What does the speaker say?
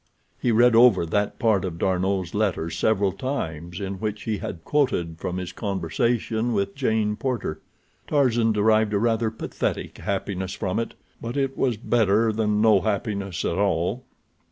He read over that part of D'Arnot's letter several times in which he had quoted from his conversation with Jane Porter. Tarzan derived a rather pathetic happiness from it, but it was better than no happiness at all.